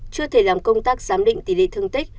chưa thể làm công tác giám định tỷ lệ thương tích